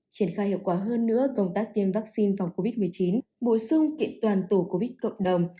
triển khai hiệu quả hơn nữa công tác tiêm vaccine phòng covid một mươi chín bổ sung kiện toàn tổ covid cộng đồng